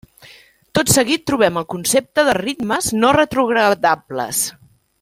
Tot seguit trobem el concepte de ritmes no retrogradables.